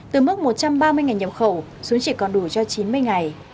từ mức một trăm ba mươi nhậm khẩu xuống chỉ còn đủ cho chín mươi ngày